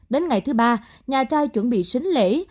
đến ngày thứ ba nhà trai chuẩn bị xính lễ